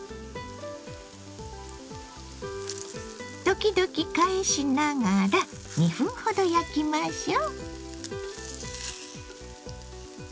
時々返しながら２分ほど焼きましょう。